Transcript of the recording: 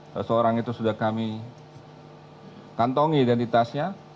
seseorang itu sudah kami kantongi di tasnya